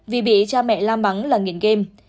vì bị cha mẹ lam bắn là nghiện game